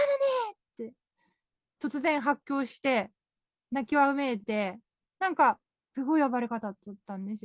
って、突然、発狂して、泣きわめいて、なんかすごい暴れ方だったんですよ。